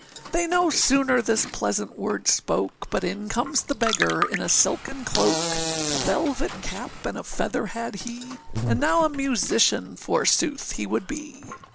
â They no sooner this pleasant word spoke, But in comes the beggar in a silken cloak, A velvet cap and a feather had he, And now a musician, forsooth, he would be.